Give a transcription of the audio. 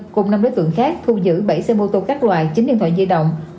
cùng năm đối tượng khác thu giữ bảy xe mô tô các loại chín điện thoại di động